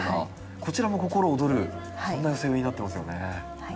こちらも心躍るそんな寄せ植えになってますよね。